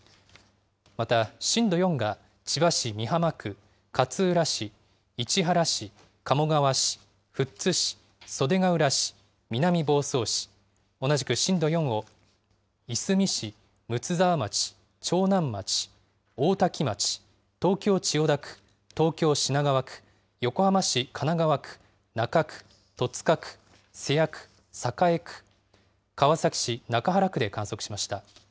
また、震度４が千葉市美浜区、勝浦市、市原市、鴨川市、富津市、袖ケ浦市、南房総市、同じく震度４をいすみ市、睦沢町、長南町、大多喜町、東京・千代田区、東京・品川区、横浜市神奈川区、中区、戸塚区、瀬谷区、栄区、川崎市中原区で観測しました。